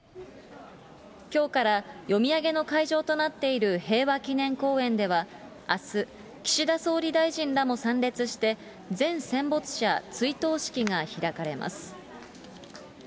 きょうから読み上げの会場となっている平和祈念公園では、あす、岸田総理大臣らも参列して、全戦没者追悼式が開かれます。